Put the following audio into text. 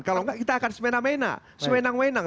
kalau tidak kita akan semenang menang